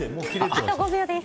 あと５秒です。